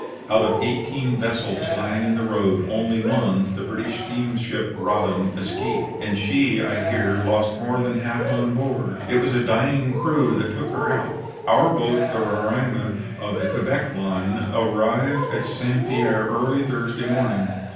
Out of eighteen vessels lying in the roads only one, the British steamship Roddam, escaped, and she, I hear, lost more than half on board. It was a dying crew that took her out. "Our boat, the Roraima, of the Quebec Line, arrived at St. Pierre early Thursday morning.